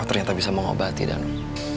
kau ternyata bisa mengobati danu